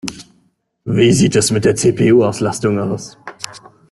Wie sieht es mit der CPU-Auslastung aus?